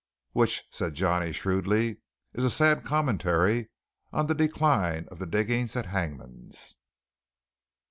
"Which," said Johnny shrewdly, "is a sad commentary on the decline of the diggings at Hangman's."